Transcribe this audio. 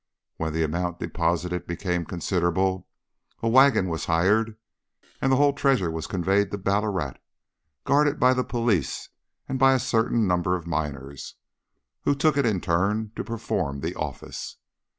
When the amount deposited became considerable, a waggon was hired, and the whole treasure was conveyed to Ballarat, guarded by the police and by a certain number of miners, who took it in turn to perform the office.